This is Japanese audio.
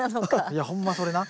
いやほんまそれな。